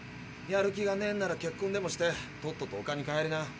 やる気がねえんなら結婚でもしてとっとと地球に帰りな。